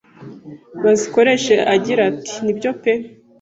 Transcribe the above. bazikoreshe agira ati nibyo pe